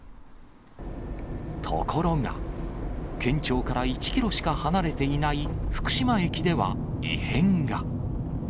ところが、県庁から１キロしか離れていない福島駅では異変が。